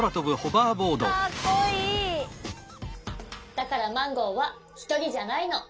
だからマンゴーはひとりじゃないの。